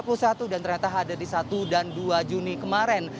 rata rata ada di satu dan dua juni kemarin